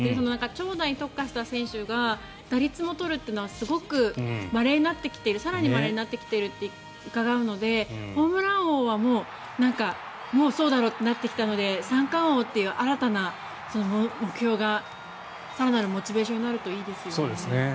長打に特化した選手が打率も取るというのはすごく更にまれになってきているとうかがうので、ホームラン王はもうそうだろうとなってきたので三冠王という新たな目標が更なるモチベーションになるといいですね。